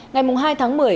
ngày hai tháng một mươi